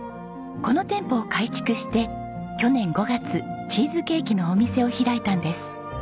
この店舗を改築して去年５月チーズケーキのお店を開いたんです。